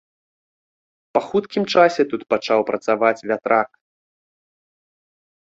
Па хуткім часе тут пачаў працаваць вятрак.